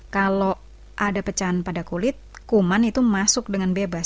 kalau ada pecahan pada kulit kuman itu masuk dengan bebas